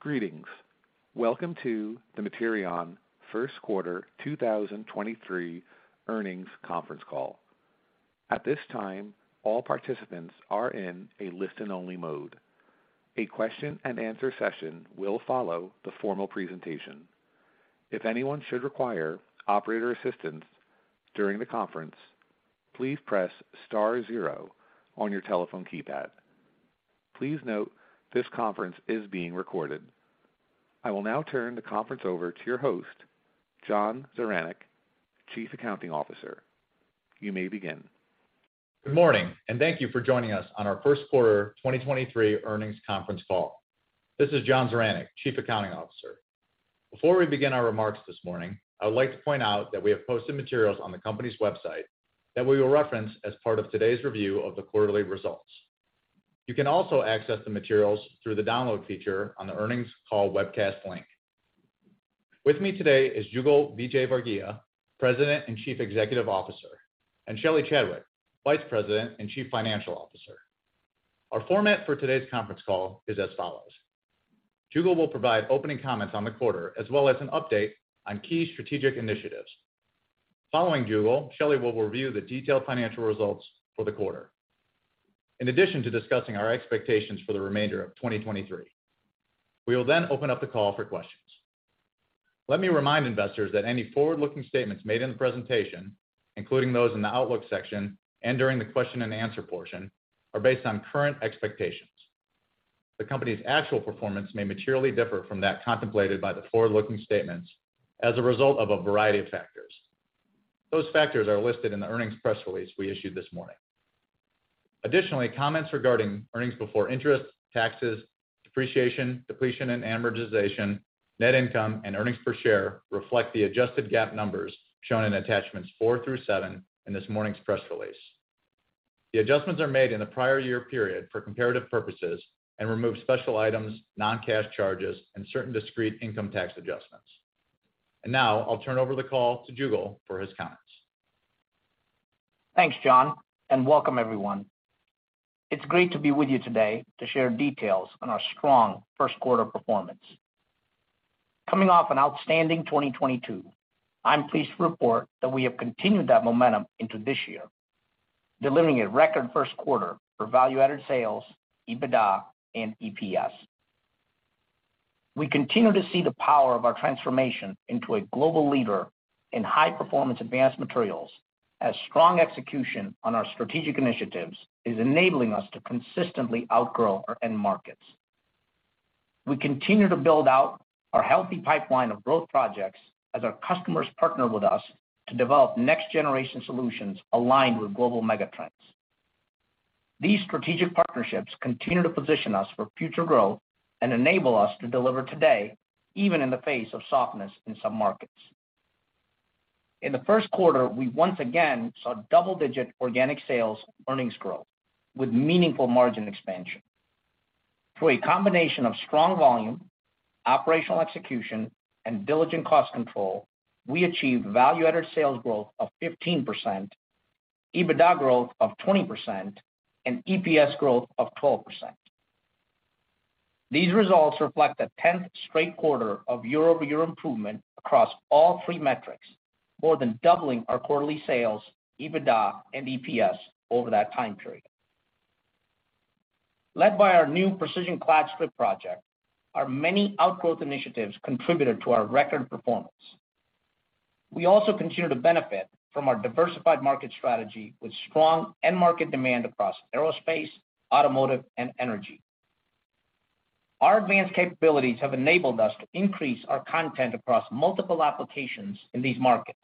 Greetings. Welcome to the Materion first quarter 2023 earnings conference call. At this time, all participants are in a listen-only mode. A question-and-answer session will follow the formal presentation. If anyone should require operator assistance during the conference, please press star zero on your telephone keypad. Please note this conference is being recorded. I will now turn the conference over to your host, John Zaranec, Chief Accounting Officer. You may begin. Good morning, and thank you for joining us on our first quarter 2023 earnings conference call. This is John Zaranec, Chief Accounting Officer. Before we begin our remarks this morning, I would like to point out that we have posted materials on the company's website that we will reference as part of today's review of the quarterly results. You can also access the materials through the download feature on the earnings call webcast link. With me today is Jugal Vijayvargiya, President and Chief Executive Officer, and Shelly Chadwick, Vice President and Chief Financial Officer. Our format for today's conference call is as follows. Jugal will provide opening comments on the quarter, as well as an update on key strategic initiatives. Following Jugal, Shelly will review the detailed financial results for the quarter. In addition to discussing our expectations for the remainder of 2023, we will then open up the call for questions. Let me remind investors that any forward-looking statements made in the presentation, including those in the outlook section and during the question-and-answer portion, are based on current expectations. The company's actual performance may materially differ from that contemplated by the forward-looking statements as a result of a variety of factors. Those factors are listed in the earnings press release we issued this morning. Comments regarding earnings before interest, taxes, depreciation, depletion, and amortization, net income, and earnings per share reflect the adjusted GAAP numbers shown in attachments four through seven in this morning's press release. The adjustments are made in the prior year period for comparative purposes and remove special items, non-cash charges, and certain discrete income tax adjustments. Now I'll turn over the call to Jugal for his comments. Thanks, John. Welcome everyone. It's great to be with you today to share details on our strong first quarter performance. Coming off an outstanding 2022, I'm pleased to report that we have continued that momentum into this year, delivering a record first quarter for value-added sales, EBITDA and EPS. We continue to see the power of our transformation into a global leader in high-performance advanced materials as strong execution on our strategic initiatives is enabling us to consistently outgrow our end markets. We continue to build out our healthy pipeline of growth projects as our customers partner with us to develop next-generation solutions aligned with global mega trends. These strategic partnerships continue to position us for future growth and enable us to deliver today, even in the face of softness in some markets. In the first quarter, we once again saw double-digit organic sales earnings growth with meaningful margin expansion. Through a combination of strong volume, operational execution, and diligent cost control, we achieved value-added sales growth of 15%, EBITDA growth of 20%, and EPS growth of 12%. These results reflect the tenth straight quarter of year-over-year improvement across all three metrics, more than doubling our quarterly sales, EBITDA, and EPS over that time period. Led by our new Precision Clad Strip project, our many outgrowth initiatives contributed to our record performance. We also continue to benefit from our diversified market strategy with strong end market demand across aerospace, automotive, and energy. Our advanced capabilities have enabled us to increase our content across multiple applications in these markets,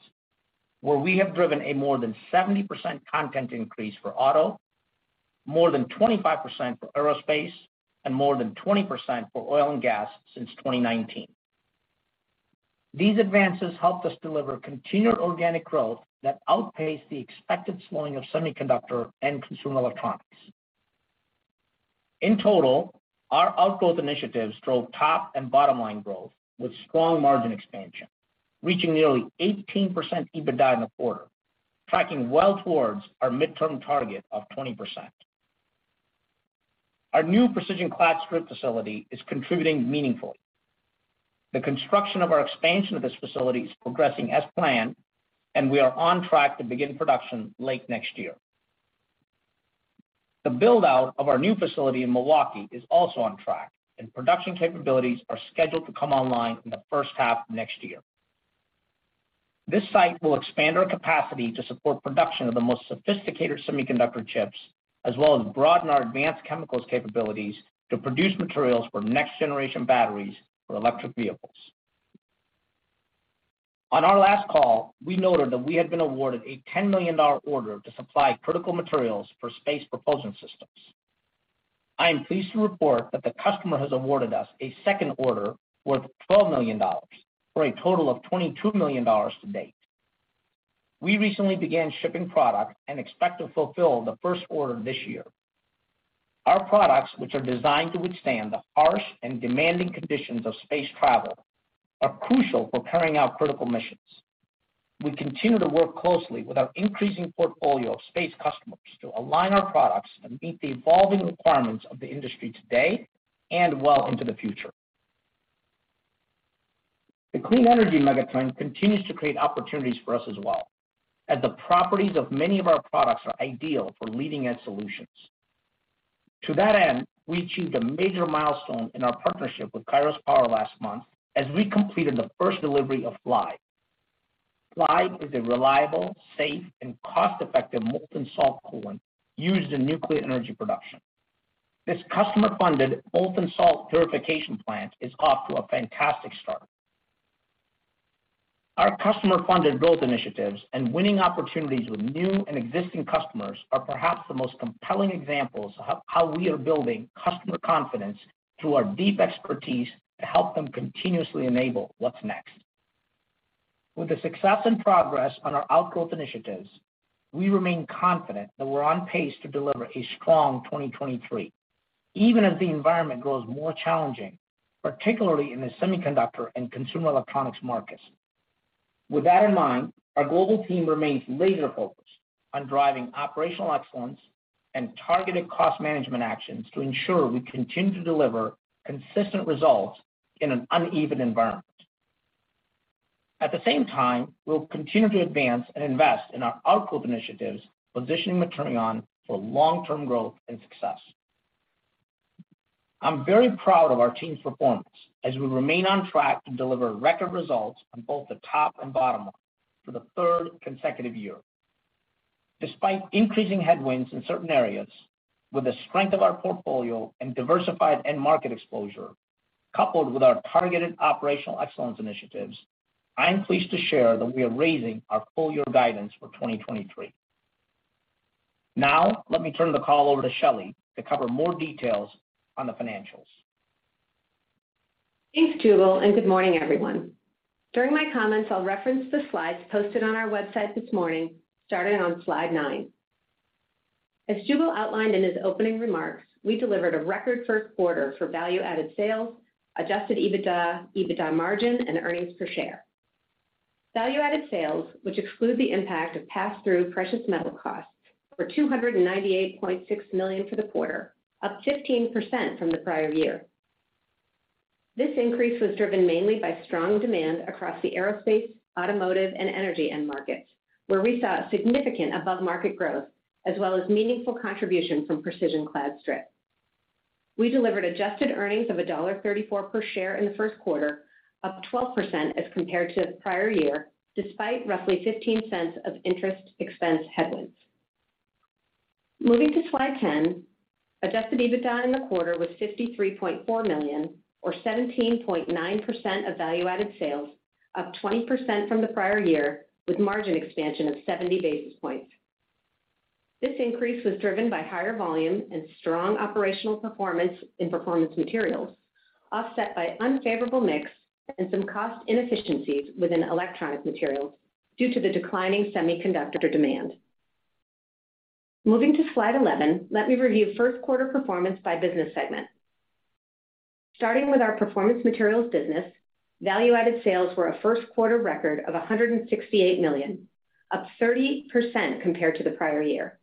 where we have driven a more than 70% content increase for auto, more than 25% for aerospace, and more than 20% for oil and gas since 2019. These advances helped us deliver continued organic growth that outpaced the expected slowing of semiconductor and consumer electronics. In total, our outgrowth initiatives drove top and bottom-line growth with strong margin expansion, reaching nearly 18% EBITDA in the quarter, tracking well towards our midterm target of 20%. Our new Precision Clad Strip facility is contributing meaningfully. The construction of our expansion of this facility is progressing as planned. We are on track to begin production late next year. The build-out of our new facility in Milwaukee is also on track, and production capabilities are scheduled to come online in the first half of next year. This site will expand our capacity to support production of the most sophisticated semiconductor chips, as well as broaden our advanced chemicals capabilities to produce materials for next-generation batteries for electric vehicles. On our last call, we noted that we had been awarded a $10 million order to supply critical materials for space propulsion systems. I am pleased to report that the customer has awarded us a second order worth $12 million, for a total of $22 million to date. We recently began shipping product and expect to fulfill the first order this year. Our products, which are designed to withstand the harsh and demanding conditions of space travel, are crucial for carrying out critical missions. We continue to work closely with our increasing portfolio of space customers to align our products and meet the evolving requirements of the industry today and well into the future. The clean energy megatrend continues to create opportunities for us as well, as the properties of many of our products are ideal for leading-edge solutions. To that end, we achieved a major milestone in our partnership with Kairos Power last month as we completed the first delivery of Flibe. Flibe is a reliable, safe, and cost-effective molten salt coolant used in nuclear energy production. This customer-funded molten salt verification plant is off to a fantastic start. Our customer-funded growth initiatives and winning opportunities with new and existing customers are perhaps the most compelling examples of how we are building customer confidence through our deep expertise to help them continuously enable what's next. With the success and progress on our outgrowth initiatives, we remain confident that we're on pace to deliver a strong 2023, even as the environment grows more challenging, particularly in the semiconductor and consumer electronics markets. With that in mind, our global team remains laser-focused on driving operational excellence and targeted cost management actions to ensure we continue to deliver consistent results in an uneven environment. At the same time, we'll continue to advance and invest in our outgrowth initiatives, positioning Materion for long-term growth and success. I'm very proud of our team's performance as we remain on track to deliver record results on both the top and bottom line for the third consecutive year. Despite increasing headwinds in certain areas, with the strength of our portfolio and diversified end market exposure, coupled with our targeted operational excellence initiatives, I am pleased to share that we are raising our full year guidance for 2023. Let me turn the call over to Shelly to cover more details on the financials. Thanks, Jugal. Good morning, everyone. During my comments, I'll reference the slides posted on our website this morning, starting on slide nine. As Jugal outlined in his opening remarks, we delivered a record first quarter for value-added sales, adjusted EBITDA margin, and earnings per share. Value-added sales, which exclude the impact of pass-through precious metal costs, were $298.6 million for the quarter, up 15% from the prior year. This increase was driven mainly by strong demand across the aerospace, automotive, and energy end markets, where we saw significant above-market growth as well as meaningful contribution from Precision Clad Strip. We delivered adjusted earnings of $1.34 per share in the first quarter, up 12% as compared to the prior year, despite roughly $0.15 of interest expense headwinds. Moving to slide 10, adjusted EBITDA in the quarter was $53.4 million, or 17.9% of value-added sales, up 20% from the prior year, with margin expansion of 70 basis points. This increase was driven by higher volume and strong operational performance in Performance Materials, offset by unfavorable mix and some cost inefficiencies within Electronic Materials due to the declining semiconductor demand. Moving to slide 11, let me review first quarter performance by business segment. Starting with our Performance Materials business, value-added sales were a first quarter record of $168 million, up 30% compared to the prior year.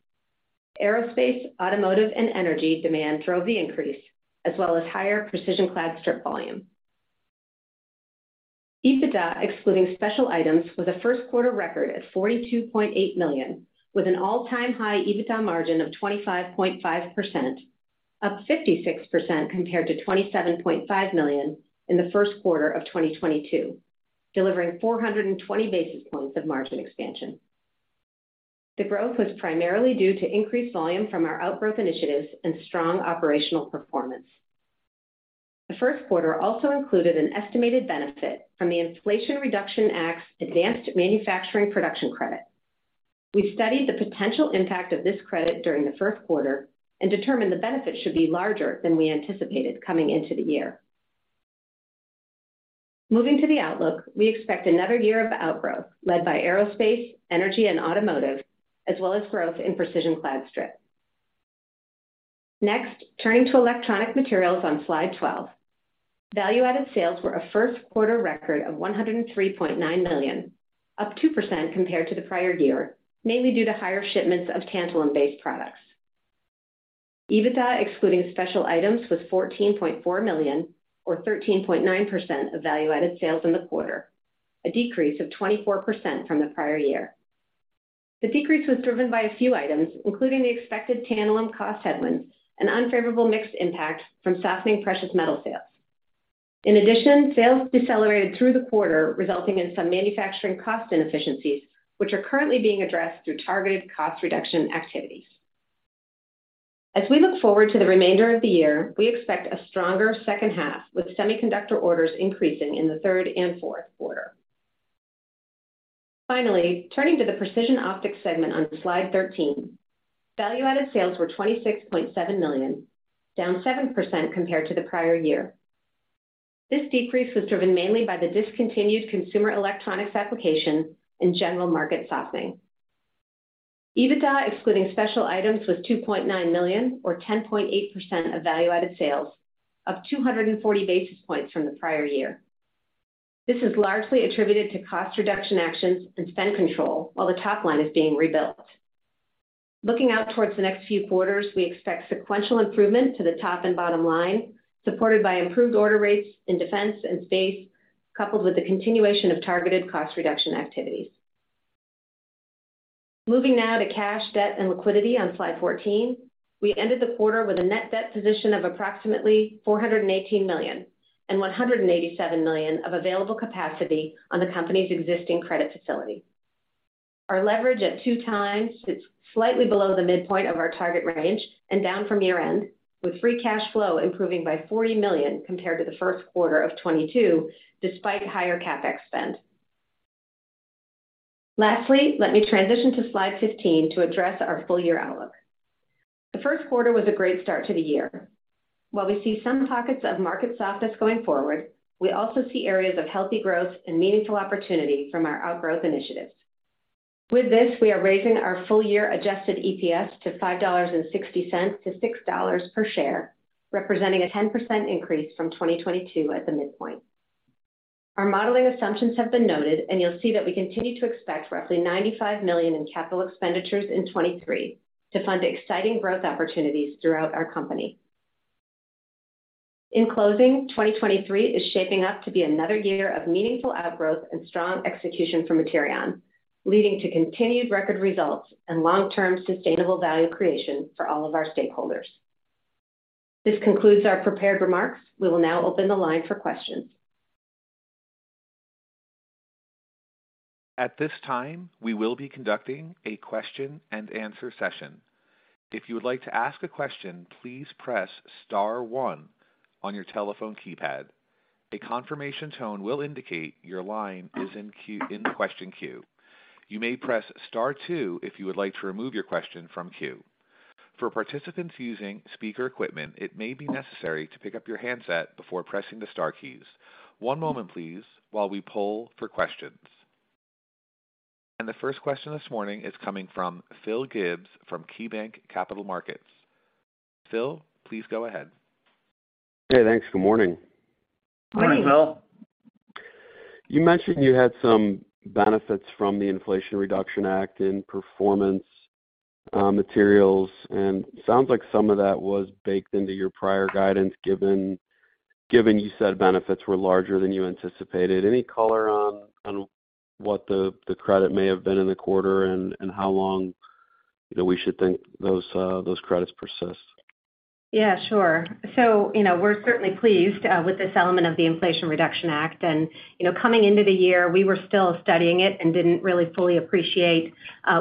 Aerospace, automotive, and energy demand drove the increase, as well as higher Precision Clad Strip volume. EBITDA, excluding special items, was a first quarter record at $42.8 million, with an all-time high EBITDA margin of 25.5%, up 56% compared to $27.5 million in the first quarter of 2022, delivering 420 basis points of margin expansion. The growth was primarily due to increased volume from our outgrowth initiatives and strong operational performance. The first quarter also included an estimated benefit from the Inflation Reduction Act's Advanced Manufacturing Production Credit. We studied the potential impact of this credit during the first quarter and determined the benefit should be larger than we anticipated coming into the year. Moving to the outlook, we expect another year of outgrowth led by aerospace, energy, and automotive, as well as growth in Precision Clad Strip. Next, turning to Electronic Materials on slide 12. Value-added sales were a first quarter record of $103.9 million, up 2% compared to the prior year, mainly due to higher shipments of tantalum-based products. EBITDA, excluding special items, was $14.4 million, or 13.9% of value-added sales in the quarter, a decrease of 24% from the prior year. The decrease was driven by a few items, including the expected tantalum cost headwinds and unfavorable mixed impact from softening precious metal sales. In addition, sales decelerated through the quarter, resulting in some manufacturing cost inefficiencies, which are currently being addressed through targeted cost reduction activities. As we look forward to the remainder of the year, we expect a stronger second half, with semiconductor orders increasing in the third and fourth quarter. Finally, turning to the Precision Optics segment on slide 13. Value-added sales were $26.7 million, down 7% compared to the prior year. This decrease was driven mainly by the discontinued consumer electronics application and general market softening. EBITDA excluding special items was $2.9 million or 10.8% of value-added sales, up 240 basis points from the prior year. This is largely attributed to cost reduction actions and spend control while the top line is being rebuilt. Looking out towards the next few quarters, we expect sequential improvement to the top and bottom line, supported by improved order rates in defense and space, coupled with the continuation of targeted cost reduction activities. Moving now to cash, debt, and liquidity on slide 14. We ended the quarter with a net debt position of approximately $418 million and $187 million of available capacity on the company's existing credit facility. Our leverage at 2x sits slightly below the midpoint of our target range and down from year-end, with free cash flow improving by $40 million compared to the first quarter of 2022, despite higher CapEx spend. Lastly, let me transition to slide 15 to address our full-year outlook. The first quarter was a great start to the year. While we see some pockets of market softness going forward, we also see areas of healthy growth and meaningful opportunity from our outgrowth initiatives. With this, we are raising our full-year adjusted EPS to $5.60-$6.00 per share, representing a 10% increase from 2022 at the midpoint. Our modeling assumptions have been noted. You'll see that we continue to expect roughly $95 million in capital expenditures in 2023 to fund exciting growth opportunities throughout our company. In closing, 2023 is shaping up to be another year of meaningful outgrowth and strong execution for Materion, leading to continued record results and long-term sustainable value creation for all of our stakeholders. This concludes our prepared remarks. We will now open the line for questions. At this time, we will be conducting a question and answer session. If you would like to ask a question, please press star one on your telephone keypad. A confirmation tone will indicate your line is in the question queue. You may press star two if you would like to remove your question from queue. For participants using speaker equipment, it may be necessary to pick up your handset before pressing the star keys. One moment, please, while we poll for questions. The first question this morning is coming from Phil Gibbs from KeyBanc Capital Markets. Phil, please go ahead. Hey, thanks. Good morning. Morning. Morning, Phil. You mentioned you had some benefits from the Inflation Reduction Act in Performance Materials. Sounds like some of that was baked into your prior guidance, given you said benefits were larger than you anticipated. Any color on what the credit may have been in the quarter and how long, you know, we should think those credits persist? Yeah, sure. You know, we're certainly pleased with this element of the Inflation Reduction Act. You know, coming into the year, we were still studying it and didn't really fully appreciate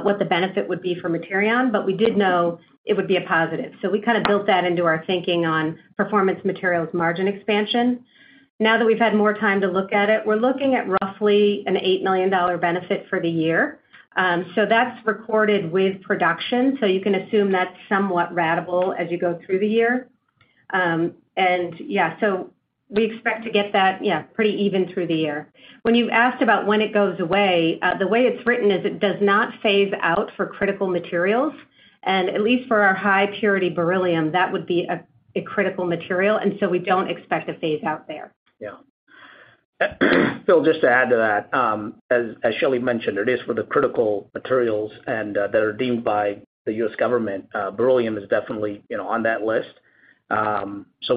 what the benefit would be for Materion, but we did know it would be a positive. We kind of built that into our thinking on Performance Materials margin expansion. Now that we've had more time to look at it, we're looking at roughly an $8 million benefit for the year. That's recorded with production, you can assume that's somewhat ratable as you go through the year. Yeah, we expect to get that, yeah, pretty even through the year. When you asked about when it goes away, the way it's written is it does not phase out for critical materials, and at least for our high purity beryllium, that would be a critical material, and so we don't expect a phase out there. Yeah. Phil, just to add to that, as Shelly mentioned, it is for the critical materials and that are deemed by the U.S. government, beryllium is definitely, you know, on that list.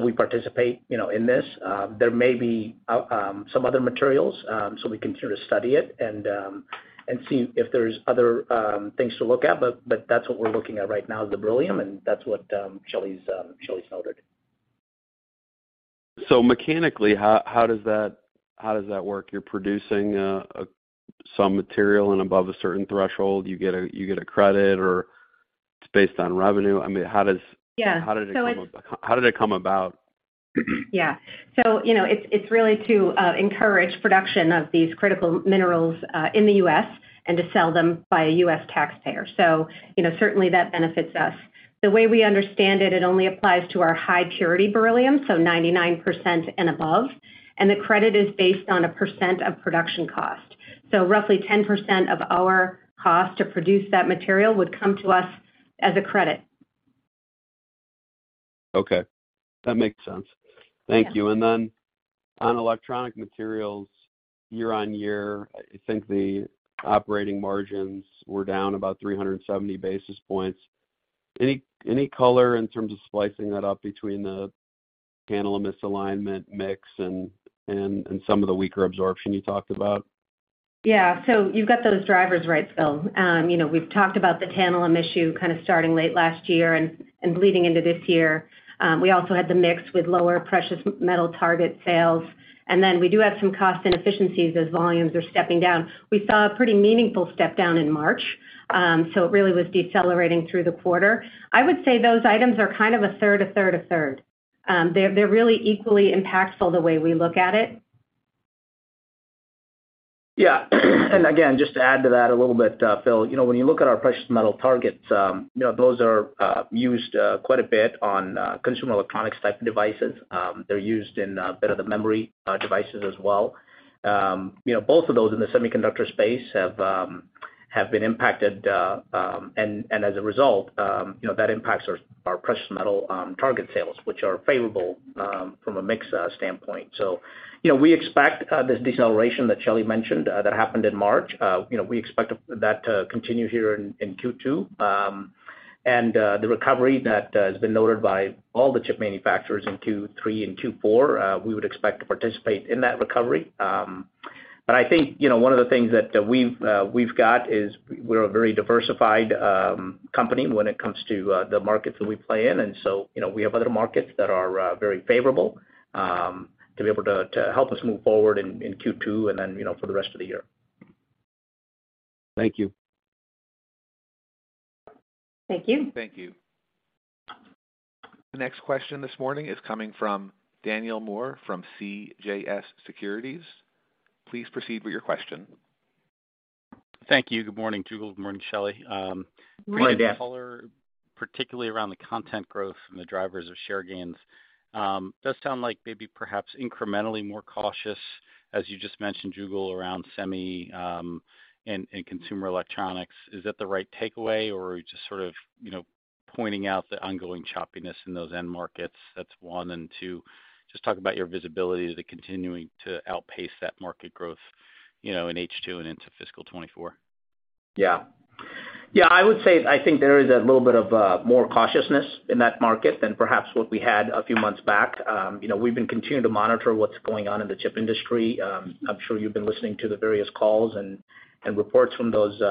We participate, you know, in this. There may be out some other materials, so we continue to study it and see if there's other things to look at, but that's what we're looking at right now is the beryllium, and that's what Shelly's noted. Mechanically, how does that work? You're producing some material and above a certain threshold, you get a credit or it's based on revenue? Yeah. How did it come about? Yeah. You know, it's really to encourage production of these critical minerals in the U.S. and to sell them by a U.S. taxpayer. You know, certainly that benefits us. The way we understand it only applies to our high purity beryllium, so 99% and above. The credit is based on a percent of production cost. Roughly 10% of our cost to produce that material would come to us as a credit. Okay. That makes sense. Thank you. On Electronic Materials, year-on-year, I think the operating margins were down about 370 basis points. Any color in terms of splicing that up between the tantalum misalignment mix and some of the weaker absorption you talked about? Yeah. You've got those drivers right, Phil. You know, we've talked about the tantalum issue kind of starting late last year and bleeding into this year. We also had the mix with lower precious metal target sales. Then we do have some cost inefficiencies as volumes are stepping down. We saw a pretty meaningful step down in March, it really was decelerating through the quarter. I would say those items are kind of a third, a third, a third. They're really equally impactful the way we look at it. Yeah. Again, just to add to that a little bit, Phil, you know, when you look at our precious metal targets, you know, those are used quite a bit on consumer electronics type devices. They're used in a bit of the memory devices as well. You know, both of those in the semiconductor space have. Have been impacted, and as a result, you know, that impacts our precious metal, target sales, which are favorable, from a mix, standpoint. You know, we expect, this deceleration that Shelly mentioned, that happened in March. You know, we expect that to continue here in Q2. The recovery that, has been noted by all the chip manufacturers in Q3 and Q4, we would expect to participate in that recovery. I think, you know, one of the things that, we've got is we're a very diversified, company when it comes to, the markets that we play in. You know, we have other markets that are very favorable, to be able to help us move forward in Q2, and then, you know, for the rest of the year. Thank you. Thank you. Thank you. The next question this morning is coming from Daniel Moore from CJS Securities. Please proceed with your question. Thank you. Good morning, Jugal. Good morning, Shelly. Good morning, Dan. Reading the color, particularly around the content growth and the drivers of share gains, does sound like maybe perhaps incrementally more cautious, as you just mentioned, Jugal, around semi, and consumer electronics. Is that the right takeaway or are you just sort of, you know, pointing out the ongoing choppiness in those end markets? That's one. Just talk about your visibility. Is it continuing to outpace that market growth, you know, in H2 and into fiscal 2024? Yeah, yeah, I would say I think there is a little bit of more cautiousness in that market than perhaps what we had a few months back. You know, we've been continuing to monitor what's going on in the chip industry. I'm sure you've been listening to the various calls and reports from those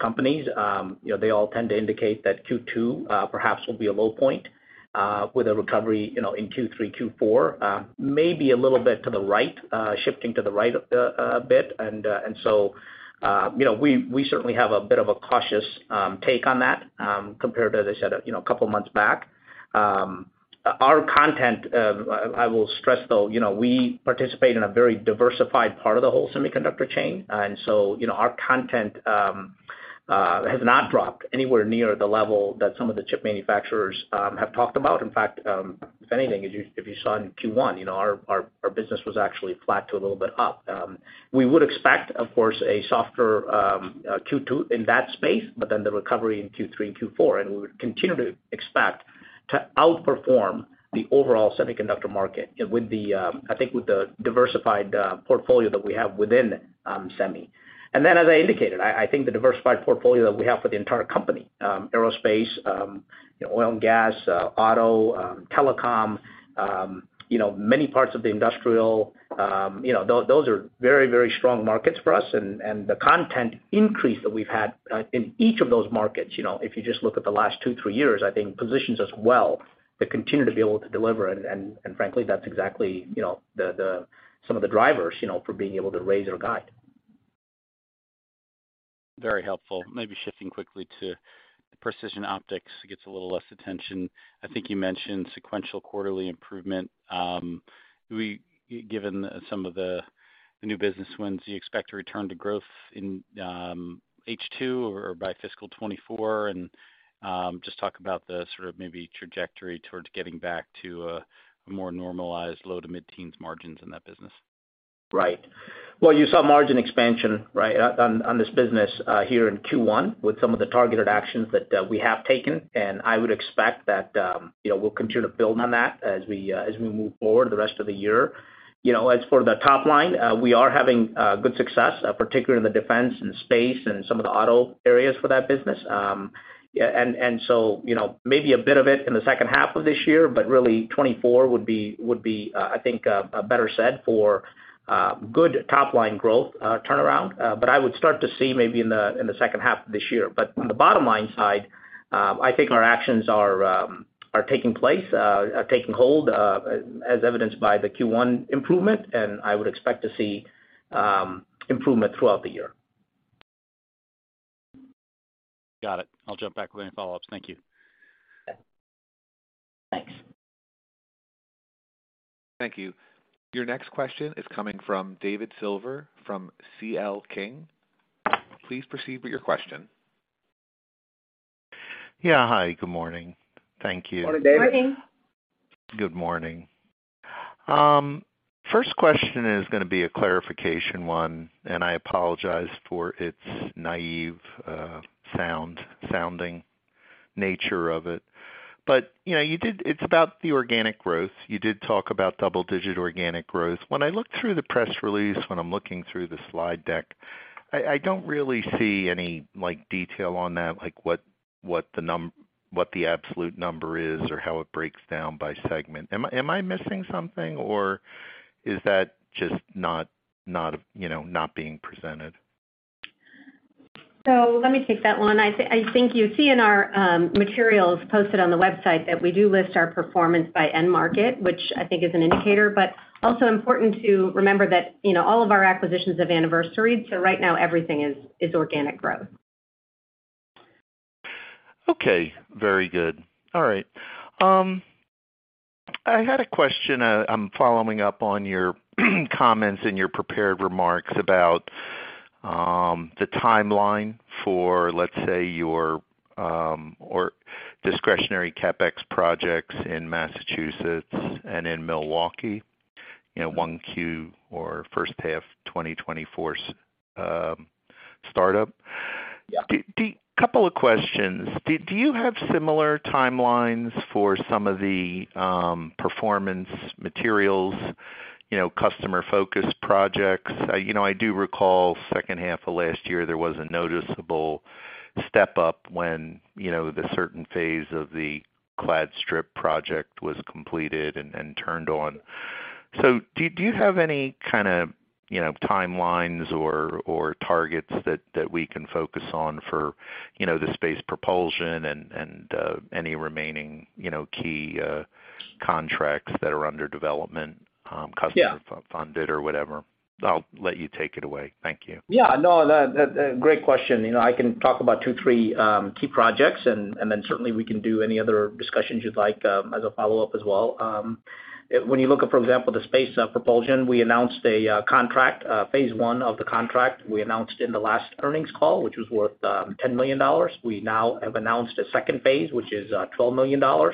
companies. You know, they all tend to indicate that Q2 perhaps will be a low point with a recovery, you know, in Q3, Q4. Maybe a little bit to the right, shifting to the right a bit. You know, we certainly have a bit of a cautious take on that compared to, as I said, you know, a couple of months back. Our content, I will stress, though, you know, we participate in a very diversified part of the whole semiconductor chain, and so, you know, our content has not dropped anywhere near the level that some of the chip manufacturers have talked about. In fact, if anything, if you saw in Q1, you know, our business was actually flat to a little bit up. We would expect, of course, a softer Q2 in that space, but then the recovery in Q3 and Q4, and we would continue to expect to outperform the overall semiconductor market with, I think, the diversified portfolio that we have within semi. Then as I indicated, I think the diversified portfolio that we have for the entire company, aerospace, oil and gas, auto, telecom, you know, many parts of the industrial, you know, those are very, very strong markets for us. The content increase that we've had in each of those markets, you know, if you just look at the last two, three years, I think positions us well to continue to be able to deliver. Frankly, that's exactly, you know, the some of the drivers, you know, for being able to raise our guide. Very helpful. Maybe shifting quickly to Precision Optics. It gets a little less attention. I think you mentioned sequential quarterly improvement. given some of the new business wins, do you expect to return to growth in H2 or by fiscal 2024? just talk about the sort of maybe trajectory towards getting back to a more normalized low-to-mid teens margins in that business. Right. Well, you saw margin expansion, right, on, on this business, here in Q1 with some of the targeted actions that we have taken. I would expect that, you know, we'll continue to build on that as we as we move forward the rest of the year. You know, as for the top line, we are having good success, particularly in the defense and space and some of the auto areas for that business. Yeah, you know, maybe a bit of it in the second half of this year, but really 2024 would be, would be, I think a better set for good top line growth, turnaround. I would start to see maybe in the second half of this year. On the bottom line side, I think our actions are taking place, are taking hold, as evidenced by the Q1 improvement, and I would expect to see improvement throughout the year. Got it. I'll jump back with any follow-ups. Thank you. Yeah. Thanks. Thank you. Your next question is coming from David Silver from C.L. King. Please proceed with your question. Yeah. Hi, good morning. Thank you. Morning, David. Morning. Good morning. I apologize for its naive, sounding nature of it. You know, it's about the organic growth. You did talk about double-digit organic growth. When I look through the press release, when I'm looking through the slide deck, I don't really see any, like, detail on that, like, what the absolute number is or how it breaks down by segment. Am I, am I missing something, or is that just not, you know, not being presented? Let me take that one. I think you see in our materials posted on the website that we do list our performance by end market, which I think is an indicator, but also important to remember that, you know, all of our acquisitions have anniversaried, right now everything is organic growth. Okay. Very good. All right. I had a question, I'm following up on your comments and your prepared remarks about the timeline for, let's say, your or discretionary CapEx projects in Massachusetts and in Milwaukee. You know, 1Q or first half 2024 startup. Yeah. Couple of questions. Do you have similar timelines for some of the Performance Materials, you know, customer-focused projects? You know, I do recall second half of last year, there was a noticeable step-up when, you know, the certain phase of the Precision Clad Strip project was completed and turned on. Do you have any kinda, you know, timelines or targets that we can focus on for, you know, the space propulsion and, any remaining, you know, key contracts that are under development? Yeah ... customer funded or whatever? I'll let you take it away. Thank you. No. The great question. You know, I can talk about two, three key projects. Then certainly we can do any other discussions you'd like as a follow-up as well. When you look at, for example, the space propulsion, we announced a contract, phase one of the contract we announced in the last earnings call, which was worth $10 million. We now have announced a second phase, which is $12 million. You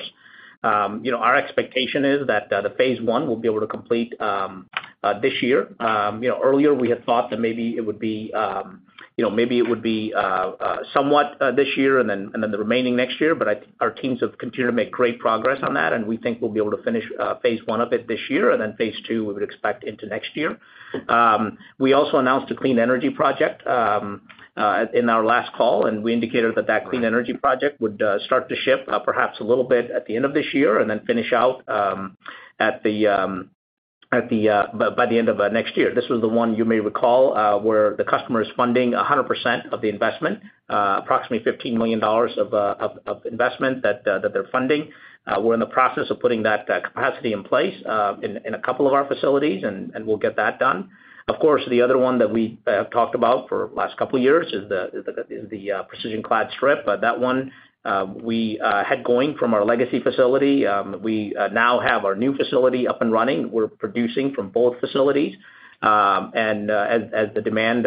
know, our expectation is that the phase one we'll be able to complete this year. you know, earlier we had thought that maybe it would be, you know, maybe it would be somewhat this year and then, and then the remaining next year, but our teams have continued to make great progress on that, and we think we'll be able to finish phase one of it this year, and then phase two we would expect into next year. We also announced a clean energy project in our last call, and we indicated that that clean energy project would start to ship perhaps a little bit at the end of this year and then finish out at the end of next year. This was the one you may recall, where the customer is funding 100% of the investment, approximately $15 million of investment that they're funding. We're in the process of putting that capacity in place in a couple of our facilities, and we'll get that done. Of course, the other one that we have talked about for last couple years is the Precision Clad Strip. That one, we had going from our legacy facility. We now have our new facility up and running. We're producing from both facilities, and as the demand,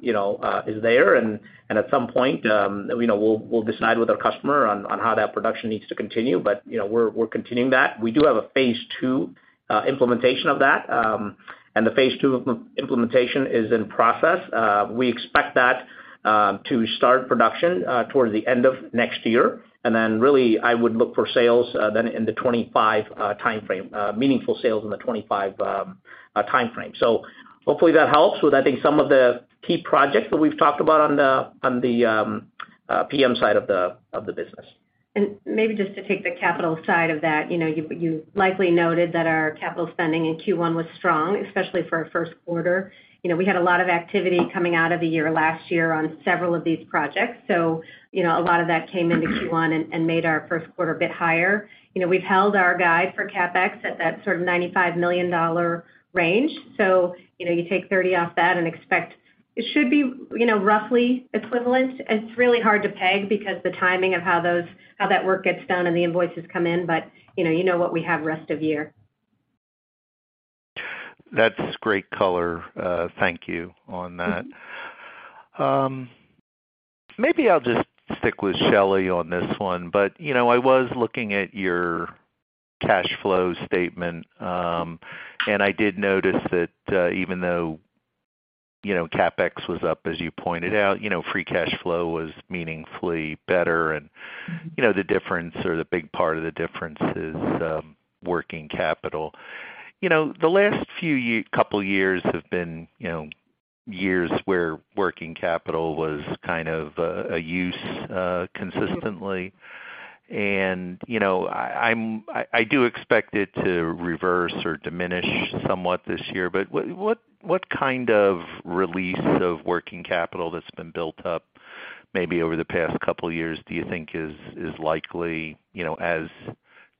you know, is there, and at some point, you know, we'll decide with our customer on how that production needs to continue. You know, we're continuing that. We do have a phase two implementation of that, and the phase two implementation is in process. We expect that to start production toward the end of next year. Really I would look for sales then in the 2025 timeframe, meaningful sales in the 2025 timeframe. Hopefully that helps with, I think, some of the key projects that we've talked about on the PM side of the business. Maybe just to take the capital side of that. You know, you likely noted that our capital spending in Q1 was strong, especially for our first quarter. You know, we had a lot of activity coming out of the year last year on several of these projects. A lot of that came into Q1 and made our first quarter a bit higher. You know, we've held our guide for CapEx at that sort of $95 million range. You take $30 off that and expect it should be, you know, roughly equivalent. It's really hard to peg because the timing of how that work gets done and the invoices come in. You know what we have rest of year. That's great color. Thank you on that. Maybe I'll just stick with Shelly on this one. You know, I was looking at your cash flow statement, and I did notice that, even though, you know, CapEx was up, as you pointed out, you know, free cash flow was meaningfully better and- Mm-hmm you know, the difference or the big part of the difference is, working capital. You know, the last couple years have been, you know, years where working capital was kind of a use consistently. I do expect it to reverse or diminish somewhat this year. What kind of release of working capital that's been built up maybe over the past couple years do you think is likely, you know, as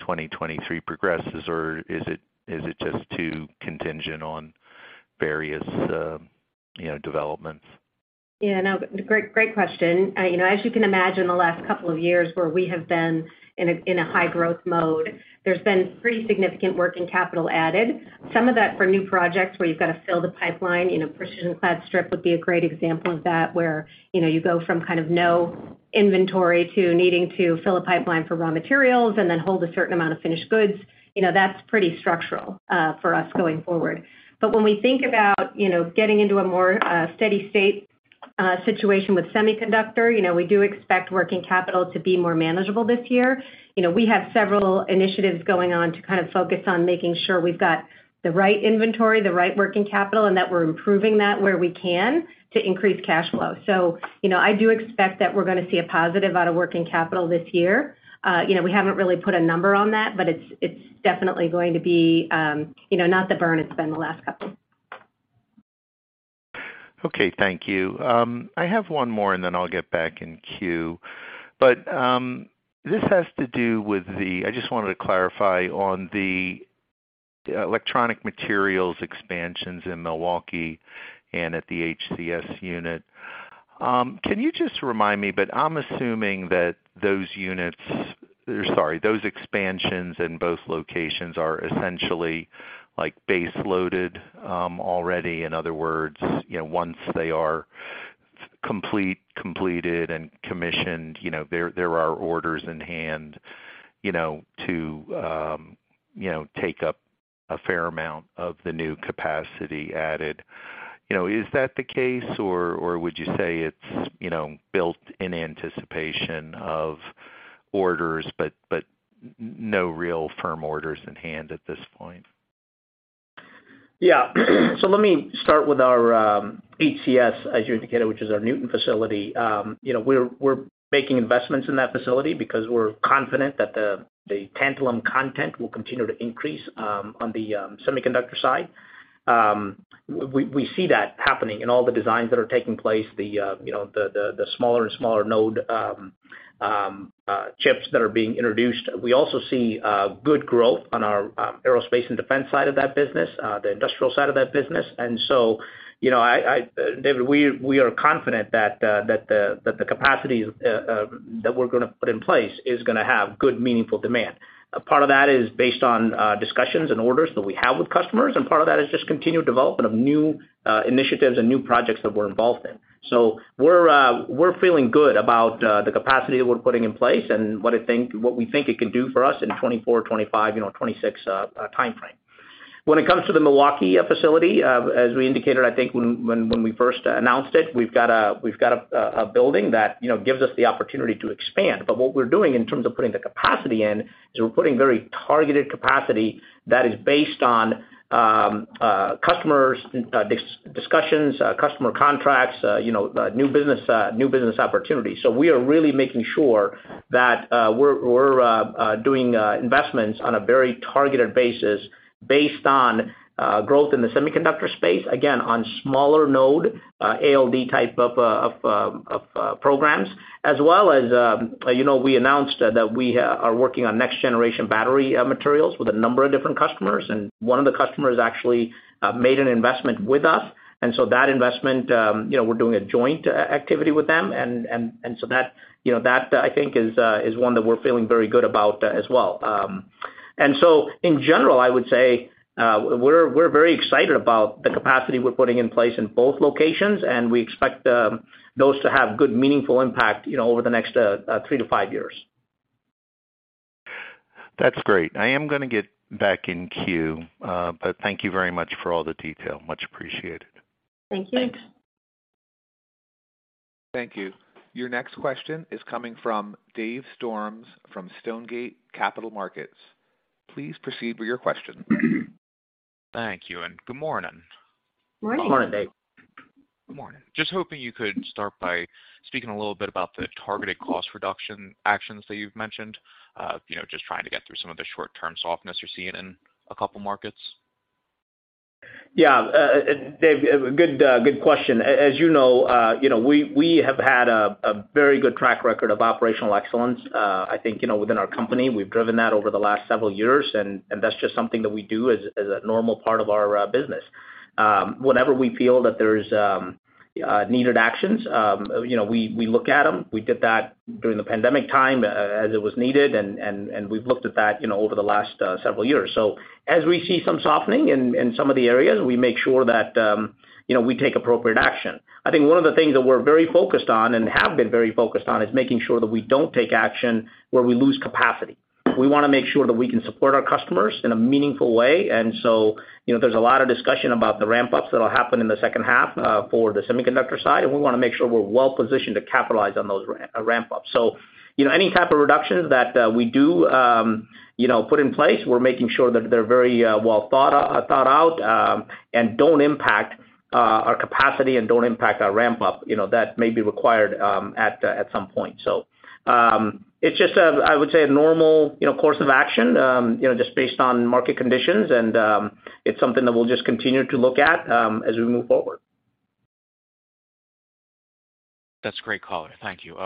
2023 progresses or is it just too contingent on various, you know, developments? Yeah, no, great question. You know, as you can imagine, the last couple of years where we have been in a high growth mode, there's been pretty significant working capital added. Some of that for new projects where you've got to fill the pipeline, you know, Precision Clad Strip would be a great example of that, where, you know, you go from kind of no inventory to needing to fill a pipeline for raw materials and then hold a certain amount of finished goods. You know, that's pretty structural for us going forward. When we think about, you know, getting into a more steady state situation with semiconductor, you know, we do expect working capital to be more manageable this year. You know, we have several initiatives going on to kind of focus on making sure we've got the right inventory, the right working capital, and that we're improving that where we can to increase cash flow. You know, I do expect that we're gonna see a positive out of working capital this year. You know, we haven't really put a number on that, but it's definitely going to be, you know, not the burn it's been the last couple. Okay. Thank you. I have one more, then I'll get back in queue. This has to do with I just wanted to clarify on the Electronic Materials expansions in Milwaukee and at the HCS unit. Can you just remind me, I'm assuming that those expansions in both locations are essentially like base loaded already. In other words, you know, once they are completed and commissioned, you know, there are orders in hand, you know, to, you know, take up a fair amount of the new capacity added. You know, is that the case, or would you say it's, you know, built in anticipation of orders, but no real firm orders in hand at this point? Yeah. Let me start with our HCS, as you indicated, which is our Newton facility. You know, we're making investments in that facility because we're confident that the tantalum content will continue to increase on the semiconductor side. We see that happening in all the designs that are taking place, you know, the smaller and smaller node chips that are being introduced. We also see good growth on our aerospace and defense side of that business, the industrial side of that business. You know, David, we are confident that the capacity that we're gonna put in place is gonna have good, meaningful demand. A part of that is based on discussions and orders that we have with customers, and part of that is just continued development of new initiatives and new projects that we're involved in. We're feeling good about the capacity that we're putting in place and what we think it can do for us in 2024, 2025, 2026 timeframe. When it comes to the Milwaukee facility, as we indicated, I think when we first announced it, we've got a building that gives us the opportunity to expand. What we're doing in terms of putting the capacity in is we're putting very targeted capacity that is based on customers, discussions, customer contracts, new business opportunities. We are really making sure that we're doing investments on a very targeted basis based on growth in the semiconductor space, again, on smaller node, ALD type of programs. As well as, you know, we announced that we are working on next-generation battery materials with a number of different customers, and one of the customers actually made an investment with us. That investment, you know, we're doing a joint activity with them. That, you know, that, I think is one that we're feeling very good about as well. In general, I would say, we're very excited about the capacity we're putting in place in both locations, and we expect, those to have good, meaningful impact, you know, over the next, three to five years. That's great. I am gonna get back in queue. Thank you very much for all the detail. Much appreciated. Thank you. Thank you. Your next question is coming from Dave Storms from Stonegate Capital Markets. Please proceed with your question. Thank you, and good morning. Morning. Good morning, Dave. Good morning. Just hoping you could start by speaking a little bit about the targeted cost reduction actions that you've mentioned, you know, just trying to get through some of the short-term softness you're seeing in a couple markets. Yeah. Dave, good question. As you know, you know, we have had a very good track record of operational excellence. I think, you know, within our company, we've driven that over the last several years, and that's just something that we do as a normal part of our business. Whenever we feel that there's needed actions, you know, we look at them. We did that during the pandemic time as it was needed, and we've looked at that, you know, over the last several years. As we see some softening in some of the areas, we make sure that, you know, we take appropriate action. I think one of the things that we're very focused on and have been very focused on is making sure that we don't take action where we lose capacity. We wanna make sure that we can support our customers in a meaningful way. You know, there's a lot of discussion about the ramp-ups that'll happen in the second half for the semiconductor side, and we wanna make sure we're well-positioned to capitalize on those ramp-ups. You know, any type of reductions that we do, you know, put in place, we're making sure that they're very well thought out and don't impact our capacity and don't impact our ramp-up, you know, that may be required at some point it's just a, I would say, a normal, you know, course of action, you know, just based on market conditions, and, it's something that we'll just continue to look at, as we move forward. That's great color. Thank you.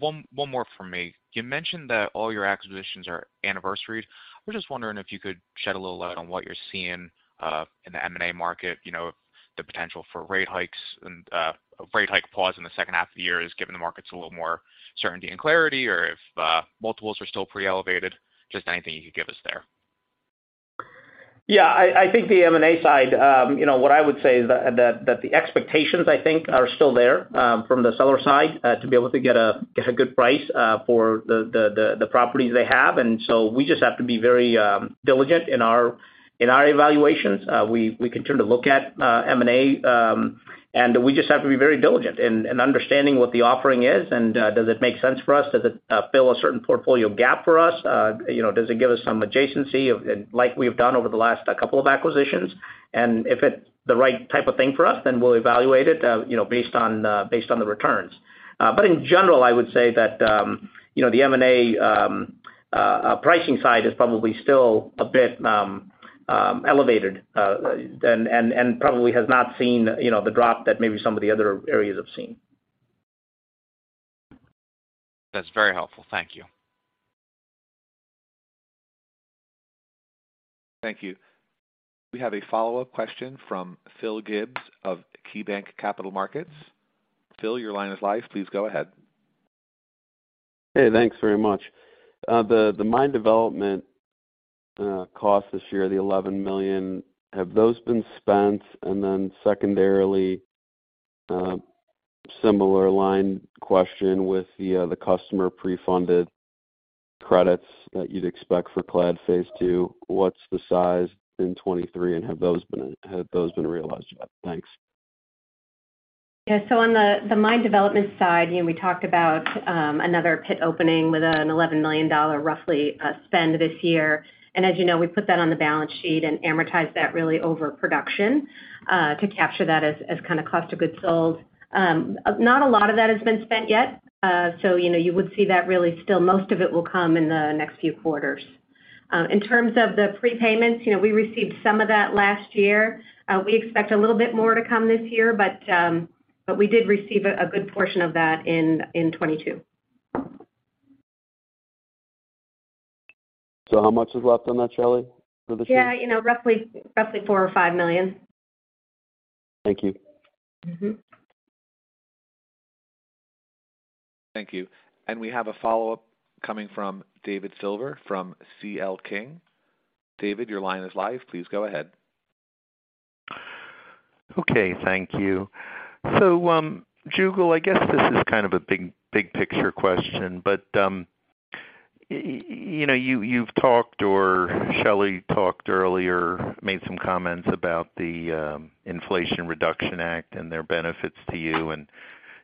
One more from me. You mentioned that all your acquisitions are anniversaries. I was just wondering if you could shed a little light on what you're seeing in the M&A market, you know, the potential for rate hikes and rate hike pause in the second half of the year has given the markets a little more certainty and clarity or if multiples are still pre-elevated. Just anything you could give us there. Yeah. I think the M&A side, you know, what I would say is that the expectations, I think, are still there from the seller side to be able to get a good price for the properties they have. We just have to be very diligent in our evaluations. We continue to look at M&A, and we just have to be very diligent in understanding what the offering is and does it make sense for us? Does it fill a certain portfolio gap for us? You know, does it give us some adjacency like we've done over the last couple of acquisitions? If it's the right type of thing for us, then we'll evaluate it, you know, based on the returns. In general, I would say that, you know, the M&A pricing side is probably still a bit elevated than and probably has not seen, you know, the drop that maybe some of the other areas have seen. That's very helpful. Thank you. Thank you. We have a follow-up question from Phil Gibbs of KeyBanc Capital Markets. Phil, your line is live. Please go ahead. Hey, thanks very much. The mine development cost this year, the $11 million, have those been spent? Secondarily, similar line question with the customer pre-funded credits that you'd expect for clad phase two, what's the size in 2023, and have those been realized yet? Thanks. Yeah. On the mine development side, you know, we talked about another pit opening with an $11 million roughly spend this year. As you know, we put that on the balance sheet and amortize that really over production to capture that as kinda cost of goods sold. Not a lot of that has been spent yet. You know, you would see that really still most of it will come in the next few quarters. In terms of the prepayments, you know, we received some of that last year. We expect a little bit more to come this year, but we did receive a good portion of that in 2022. How much is left on that, Shelly, for this year? Yeah, you know, roughly $4 million or $5 million. Thank you. Mm-hmm. Thank you. We have a follow-up coming from David Silver from C.L. King. David, your line is live. Please go ahead. Okay, thank you. Jugal, I guess this is kind of a big, big picture question, but, you know, you've talked or Shelly talked earlier, made some comments about the Inflation Reduction Act and their benefits to you, and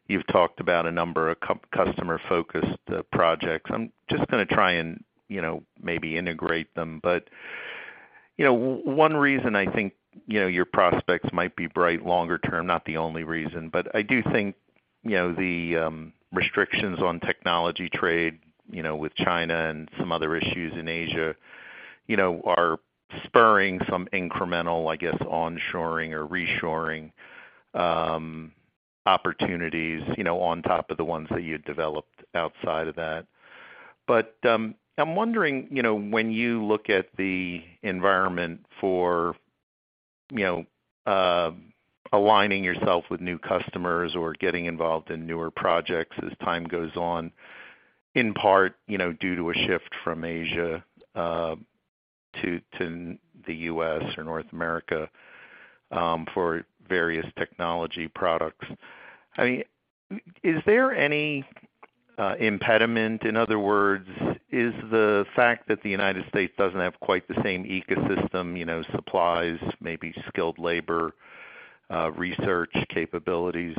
you've talked about a number of customer-focused projects. I'm just gonna try and, you know, maybe integrate them. You know, one reason I think, you know, your prospects might be bright longer term, not the only reason, but I do think, you know, the restrictions on technology trade, you know, with China and some other issues in Asia, you know, are spurring some incremental, I guess, onshoring or reshoring opportunities, you know, on top of the ones that you developed outside of that. I'm wondering, you know, when you look at the environment for, you know, aligning yourself with new customers or getting involved in newer projects as time goes on, in part, you know, due to a shift from Asia to the U.S. or North America for various technology products. I mean, is there any impediment? In other words, is the fact that the United States doesn't have quite the same ecosystem, you know, supplies, maybe skilled labor, research capabilities,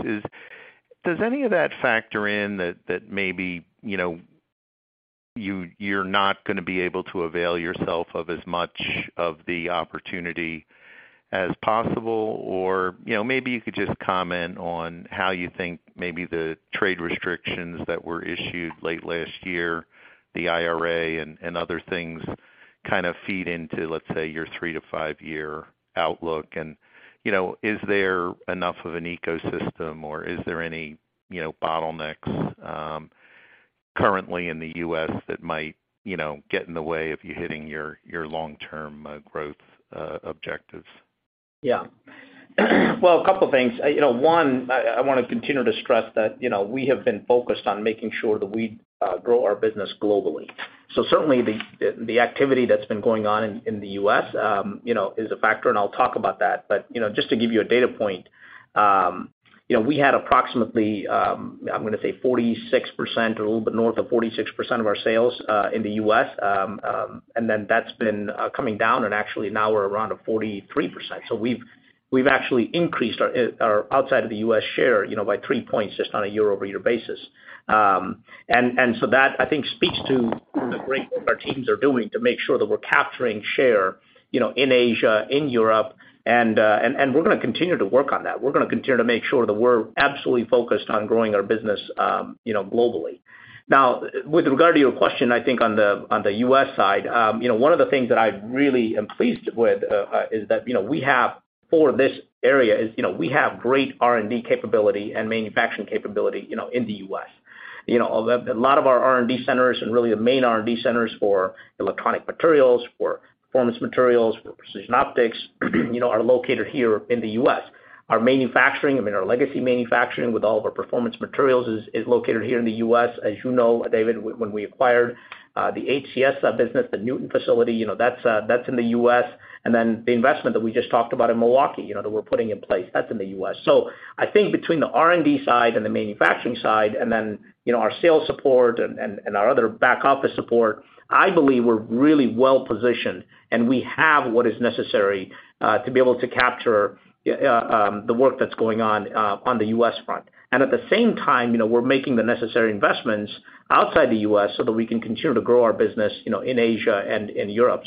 does any of that factor in that maybe you're not gonna be able to avail yourself of as much of the opportunity as possible or? You know, maybe you could just comment on how you think maybe the trade restrictions that were issued late last year, the IRA, and other things kind of feed into, let's say, your three to five year outlook. You know, is there enough of an ecosystem or is there any, you know, bottlenecks currently in the U.S. that might, you know, get in the way of you hitting your long-term growth objectives? Yeah. Well, a couple things. You know, one, I wanna continue to stress that, you know, we have been focused on making sure that we grow our business globally. Certainly, the activity that's been going on in the U.S., you know, is a factor, and I'll talk about that. You know, just to give you a data point, you know, we had approximately, I'm gonna say 46% or a little bit north of 46% of our sales in the U.S. Then that's been coming down and actually now we're around a 43%. We've actually increased our outside of the U.S. share, you know, by 3 points just on a year-over-year basis. That I think speaks to the great work our teams are doing to make sure that we're capturing share, you know, in Asia, in Europe, we're gonna continue to work on that. We're gonna continue to make sure that we're absolutely focused on growing our business, you know, globally. With regard to your question, I think on the U.S. side, you know, one of the things that I really am pleased with is that, you know, we have great R&D capability and manufacturing capability, you know, in the U.S. You know, a lot of our R&D centers and really the main R&D centers for Electronic Materials, for Performance Materials, for Precision Optics, you know, are located here in the U.S. Our manufacturing, I mean, our legacy manufacturing with all of our Performance Materials is located here in the U.S. As you know, David, when we acquired the HCS business, the Newton facility, you know, that's that's in the U.S. The investment that we just talked about in Milwaukee, you know, that we're putting in place, that's in the U.S. I think between the R&D side and the manufacturing side and then, you know, our sales support and our other back office support, I believe we're really well-positioned, and we have what is necessary to be able to capture the work that's going on on the U.S. front. At the same time, you know, we're making the necessary investments outside the U.S. so that we can continue to grow our business, you know, in Asia and in Europe.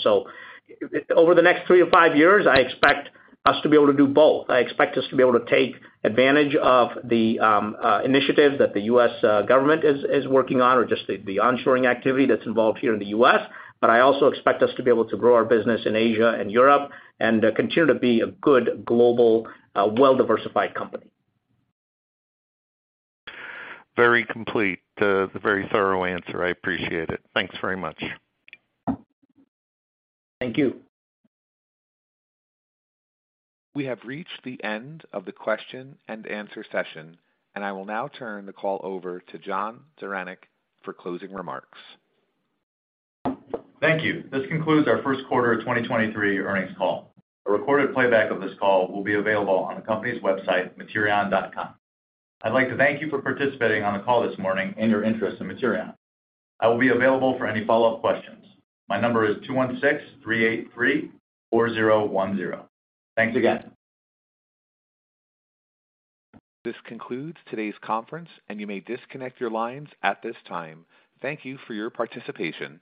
Over the next three to five years, I expect us to be able to do both. I expect us to be able to take advantage of the initiatives that the U.S. government is working on or just the onshoring activity that's involved here in the U.S. I also expect us to be able to grow our business in Asia and Europe and continue to be a good global, well-diversified company. Very complete. A very thorough answer. I appreciate it. Thanks very much. Thank you. We have reached the end of the question and answer session. I will now turn the call over to John Zaranec for closing remarks. Thank you. This concludes our first quarter of 2023 earnings call. A recorded playback of this call will be available on the company's website, materion.com. I'd like to thank you for participating on the call this morning and your interest in Materion. I will be available for any follow-up questions. My number is 216-383-4010. Thanks again. This concludes today's conference, and you may disconnect your lines at this time. Thank you for your participation.